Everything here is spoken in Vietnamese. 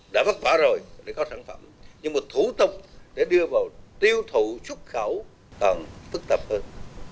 đã vất vả rồi để có sản phẩm nhưng mà thủ tục để đưa vào tiêu thụ xuất khẩu còn phức tạp hơn